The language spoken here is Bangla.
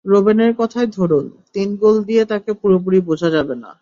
রোবেনের কথাই ধরুন, তিন গোল দিয়ে তাঁকে পুরোপুরি বোঝা যাবে না।